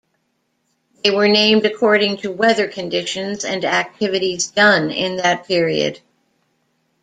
They were named according to weather conditions and activities done in that period.